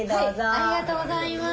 ありがとうございます。